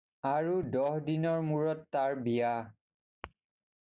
আৰু দহ দিনৰ মূৰত তাৰ বিয়া।